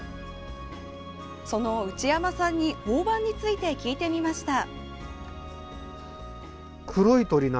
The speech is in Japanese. その内山さんにオオバンについて聞いてみました。